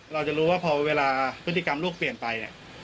เราจะรู้ว่าพอเวลาพฤติกรรมลูกเปลี่ยนไปเนี่ย